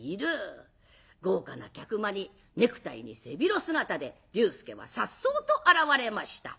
豪華な客間にネクタイに背広姿で龍介はさっそうと現れました。